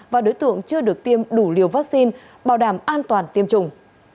và đối tượng chưa được tiêm đủ liều vaccine bảo đảm an toàn tiêm chủng